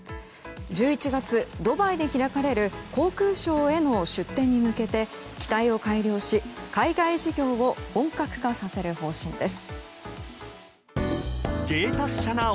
１１月、ドバイで開かれる航空ショーへの出展に向け機体を改良し、海外事業を本格化させる方針です。